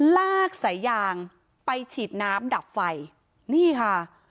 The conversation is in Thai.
ลากสายยางไปฉีดน้ำดับไฟนี่ค่ะ